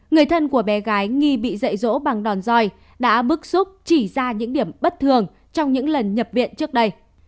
người thân của bé gái nghi bị dạy rỗ bằng đòn roi đã bức xúc chỉ ra những điểm bất thường trong những lần nhập viện trước đây